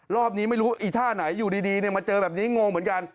รอบนี้ไม่รู้อีท่าไหนอยู่ดีมาเจอแบบนี้งงเหมือนกัน